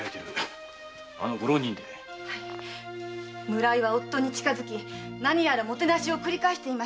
村井は夫に近づき何やらもてなしを繰り返していました。